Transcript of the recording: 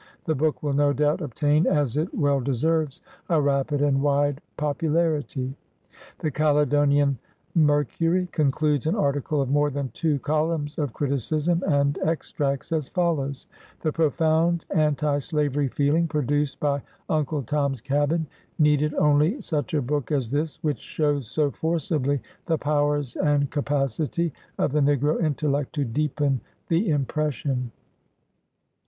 The book will no doubt 86 BIOGRAPHY OF obtain, as it well deserves, a rapid and wide popu larity." The Caledonian Mercury concludes an article of more than two columns of criticism and extracts as follows :— "The profound anti slavery feeling produced by ' Uncle Tom's Cabin' needed only such a book as this, which shows so forcibly the powers and capacity of the negro intellect, to deepen the impression."